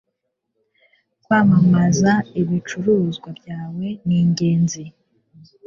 Kwamamaza ibicuruzwa byawe ningenzi